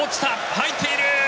入っている。